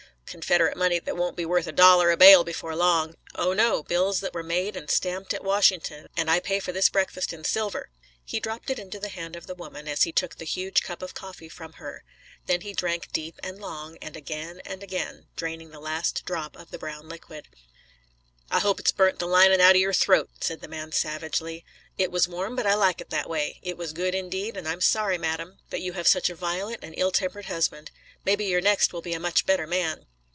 "Confederate money that won't be worth a dollar a bale before long." "Oh, no, bills that were made and stamped at Washington, and I pay for this breakfast in silver." He dropped it into the hand of the woman, as he took the huge cup of coffee from her. Then he drank deep and long, and again and again, draining the last drop of the brown liquid. "I hope it's burnt the lining out of your throat," said the man savagely. "It was warm, but I like it that way. It was good indeed, and I'm sorry, Madame, that you have such a violent and ill tempered husband. Maybe your next will be a much better man."